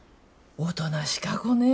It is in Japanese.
おとなしか子ね。